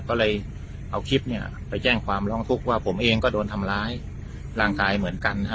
ก็เลยเอาคลิปไปแจ้งความร้องทุกข์ว่าผมเองก็โดนทำร้ายร่างกายเหมือนกัน